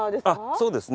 そうですね。